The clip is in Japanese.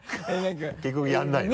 結局やらないの？